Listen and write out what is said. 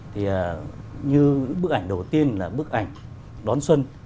thì như bức ảnh đầu tiên là bức ảnh đón xuân